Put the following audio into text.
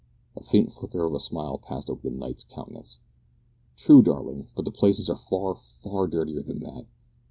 A faint flicker of a smile passed over the knight's countenance. "True, darling, but the places are far, far dirtier than that.